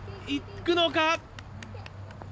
行くのか？